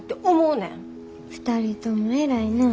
２人とも偉いなぁ。